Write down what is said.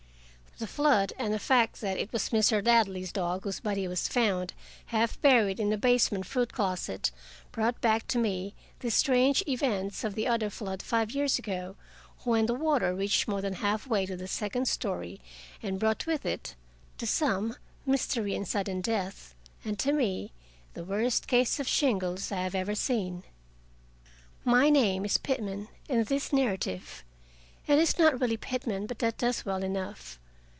The flood, and the fact that it was Mr. Ladley's dog whose body was found half buried in the basement fruit closet, brought back to me the strange events of the other flood five years ago, when the water reached more than half way to the second story, and brought with it, to some, mystery and sudden death, and to me the worst case of "shingles" I have ever seen. My name is Pitman in this narrative. It is not really Pitman, but that does well enough.